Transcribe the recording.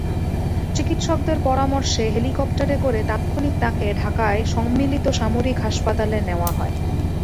চিকিৎসকদের পরামর্শে হেলিকপ্টারে করে তাৎক্ষণিক তাঁকে ঢাকায় সম্মিলিত সামরিক হাসপাতালে নেওয়া হয়।